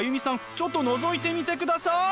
ちょっとのぞいてみてください！